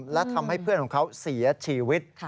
และทำให้เพื่อนของเขาเสียชีวิต